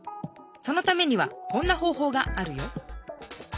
そのためにはこんな方ほうがあるよ。